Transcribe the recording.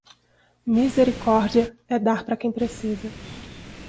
Misericórdia é dar para quem precisa